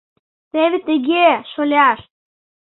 Теве тыге, шоляш!